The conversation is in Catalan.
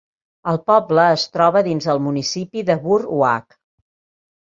El poble es troba dins el municipi de Burr Oak.